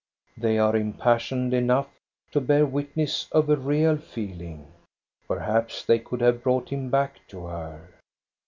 They are impassioned enough to bear witness of a real feeling. Perhaps they could have brought him back to her.